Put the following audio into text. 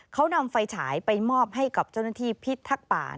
เขานำไฟฉายไปมอบให้กับเจ้าหน้าที่พิทักษ์ป่า